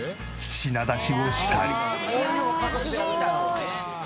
品出しをしたり。